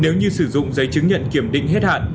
nếu như sử dụng giấy chứng nhận kiểm định hết hạn